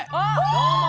どうも！